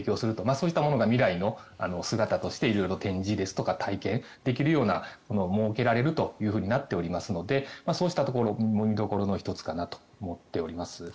そういったものが未来の姿として色々展示ですとか体験できるようなものが設けられるとなっておりますのでそうしたところも見どころの１つかなと思っております。